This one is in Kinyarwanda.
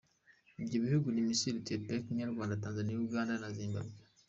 Ibyo bihugu ni Misiri, Ethiopie, Kenya, Rwanda, Tanzanie, Ouganda na Zimbabwe.